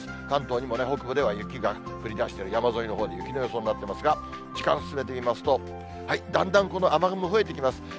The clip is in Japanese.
関東にも北部では雪が降りだしてる、山沿いのほうで雪の予報になってますが、時間進めてみますと、だんだんこの雨雲増えてきます。